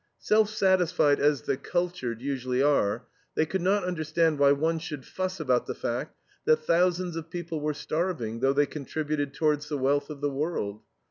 Self satisfied as the "cultured" usually are, they could not understand why one should fuss about the fact that thousands of people were starving, though they contributed towards the wealth of the world.